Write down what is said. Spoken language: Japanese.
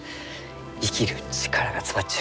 生きる力が詰まっちゅう。